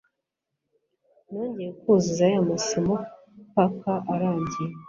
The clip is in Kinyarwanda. Nongeye kuzuza ya masomo paka arangiye